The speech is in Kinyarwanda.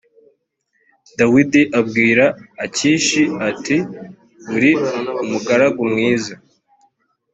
dawidi abwira akishi ati uri umugaragu mwiza